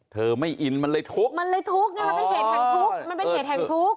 เธอไม่อินมันเลยทุกข์มันเลยทุกข์ไงมันเป็นเหตุแห่งทุกข์